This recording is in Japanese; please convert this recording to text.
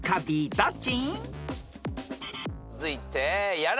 どっち？